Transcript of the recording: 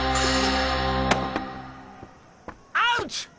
アウト！